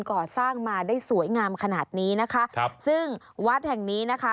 ก่อสร้างมาได้สวยงามขนาดนี้นะคะครับซึ่งวัดแห่งนี้นะคะ